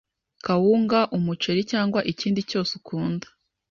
kawunga, umuceri cyangwa ikindi cyose ukunda